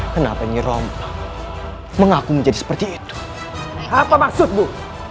kenapa nyerom mengaku menjadi seperti itu apa maksudmu